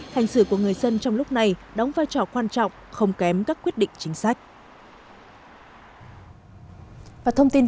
hành xử của người dân trong lúc này đóng vai trò quan trọng không kém các quyết định chính sách